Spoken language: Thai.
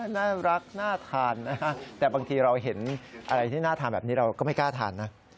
น่ารักน่าทานนะฮะแต่บางทีเราเห็นอะไรที่น่าทานแบบนี้เราก็ไม่กล้าทานนะ